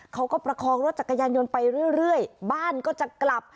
ประคองรถจักรยานยนต์ไปเรื่อยบ้านก็จะกลับ